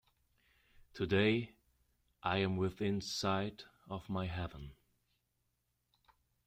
Today, I am within sight of my heaven.